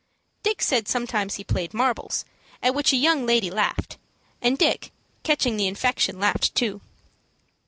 Dick said he sometimes played marbles; at which a young lady laughed, and Dick, catching the infection, laughed too.